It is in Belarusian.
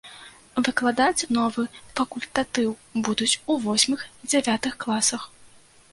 Выкладаць новы факультатыў будуць у восьмых-дзявятых класах.